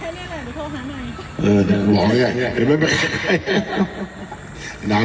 ให้อะไรอย่างเงี้ยแล้วตอนนี้มีทศวรรษษีสายเข้า